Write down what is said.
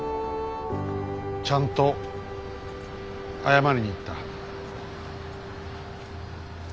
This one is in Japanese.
ちゃんと謝りに行った。